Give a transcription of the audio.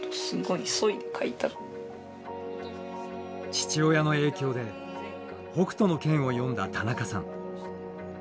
父親の影響で「北斗の拳」を読んだ田中さん。